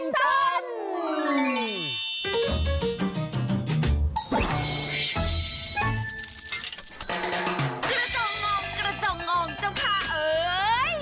กระเจ้างองกระเจ้างองเจ้าข้าเอ๋ย